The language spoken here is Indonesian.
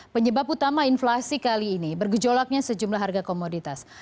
penyebab utama inflasi kali ini bergejolaknya sejumlah harga komoditas